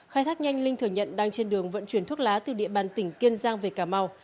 khai thác nhanh linh thừa nhận đang trên đường vận chuyển thuốc lá từ địa bàn tỉnh kiên giang về cà mau